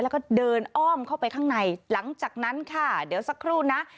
แล้วก็เดินอ้อมเข้าไปข้างในหลังจากนั้นค่ะเดี๋ยวสักครู่นะ